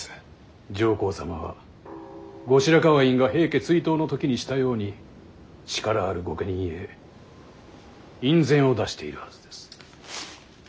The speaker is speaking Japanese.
上皇様は後白河院が平家追討の時にしたように力ある御家人へ院宣を出しているはずです。